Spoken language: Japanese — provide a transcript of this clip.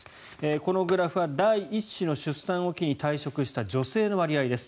このグラフは第１子の出産を機に退職した女性の割合です。